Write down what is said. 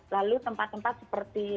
lalu tempat tempat seperti